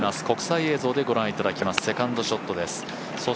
国際映像で御覧いただきます、セカンドショットです。